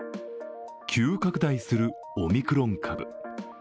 急拡大するオミクロン株。